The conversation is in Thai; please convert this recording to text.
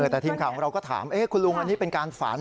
แต่ทีมข่าวของเราก็ถามคุณลุงอันนี้เป็นการฝัน